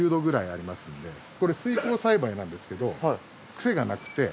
これ水耕栽培なんですけど。